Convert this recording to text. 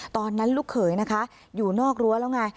ตอนนั้นลูกเขยนะคะอยู่นอกรั้วแล้วไง